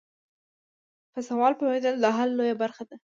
په سوال پوهیدل د حل لویه برخه ده.